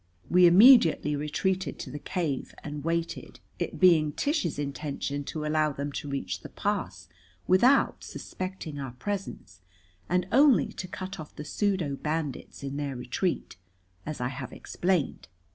We immediately retreated to the cave and waited, it being Tish's intention to allow them to reach the pass without suspecting our presence, and only to cut off the pseudo bandits in their retreat, as I have explained.